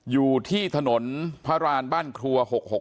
อยู่ที่ถนนพระรานบ้านครัว๖๖